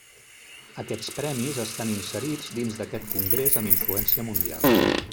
Aquests premis estan inserits dins d'aquest congrés amb influència mundial.